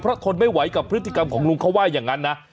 เพราะทนไม่ไหวกับพฤติกรรมของลุงเขาว่าอย่างนั้นนะ